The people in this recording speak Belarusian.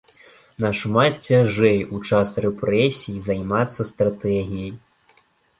Нашмат цяжэй у час рэпрэсій займацца стратэгіяй.